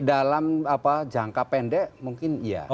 dalam jangka pendek mungkin iya